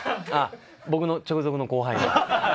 あっ僕の直属の後輩の？